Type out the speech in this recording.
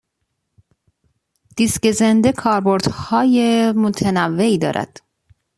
دیسک زنده کاربردهای متنوعی دارد.